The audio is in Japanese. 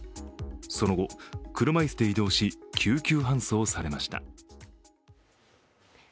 その後、車椅子で移動し救急搬送されました。